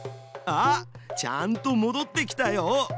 あっちゃんともどってきたよ。